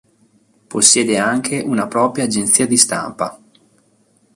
Possiede anche una propria agenzia di stampa.